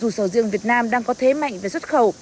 dù sầu riêng việt nam đang có thế mạnh về xuất khẩu